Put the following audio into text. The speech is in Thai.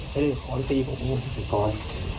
ไม่ได้ของตีผมก่อน